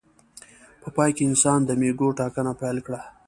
په پای کې انسان د مېږو ټاکنه پیل کړه.